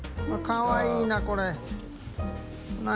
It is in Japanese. かわいいな、これ。